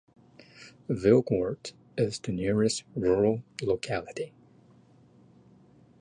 Vilgort is the nearest rural locality.